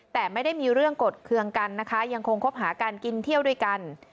แต่ไม่ได้มีเรื่องกดเคืองกันนะคะยังคงคบหากันกินเที่ยวด้วยกัน